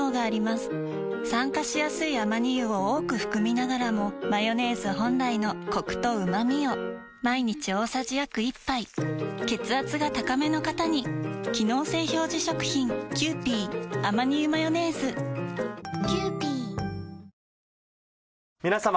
酸化しやすいアマニ油を多く含みながらもマヨネーズ本来のコクとうまみを毎日大さじ約１杯血圧が高めの方に機能性表示食品皆様。